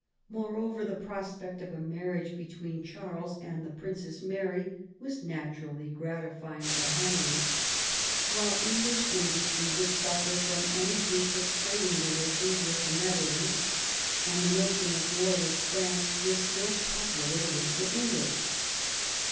Moreover the prospect of a marriage between Charles and the Princess Mary was naturally gratifying to Henry ; while English industry would suffer from any breach of trading relations with the Netherlands, and the notion of war with France was still popular with the English.